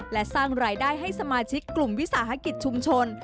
และสร้างรายได้ให้สมาชิกกลุ่มวิสาหกิจชุมชน